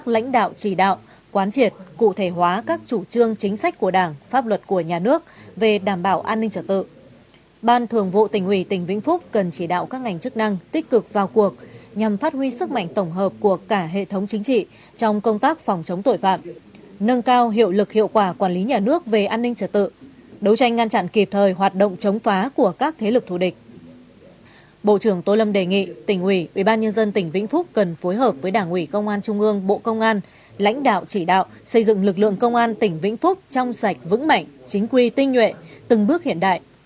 lãnh đạo chỉ đạo xây dựng lực lượng công an tỉnh vĩnh phúc trong sạch vững mảnh chính quy tinh nhuệ từng bước hiện đại